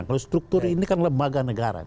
kalau struktur ini kan lembaga negara